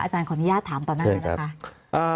อาจารย์ขออนุญาตถามต่อหน้าเลยนะคะ